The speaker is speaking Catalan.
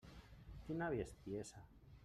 Quina bestiesa!